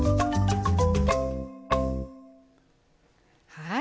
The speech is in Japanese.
はい。